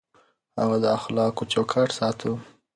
هغه د اخلاقو چوکاټ ساته.